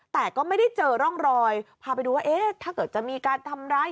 แต่ก็ไม่ได้เจอร่องรอยพาไปดูว่าเอ๊ะถ้าเกิดจะมีการทำร้าย